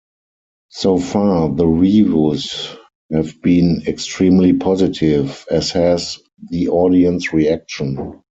So far the reviews have been extremely positive, as has the audience reaction.